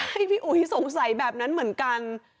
พี่อุ๋ยสงสัยแบบนั้นเหมือนกัน